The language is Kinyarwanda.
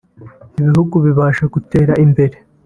ibihugu bibashe gutera imbere